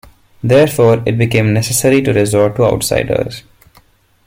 Therefore, it became necessary to resort to outsiders.